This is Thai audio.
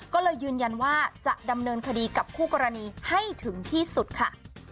ก็เลยยืนยันว่าจะดำเนินคดีกับคู่กรณีให้ถึงที่สุดค่ะ